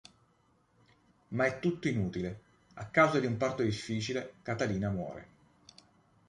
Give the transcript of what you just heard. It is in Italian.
Ma è tutto inutile: a causa di un parto difficile, Catalina muore.